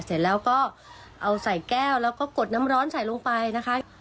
เสร็จแล้วก็เอาใส่แก้วแล้วก็กดน้ำร้อนใส่ลงไปนะคะ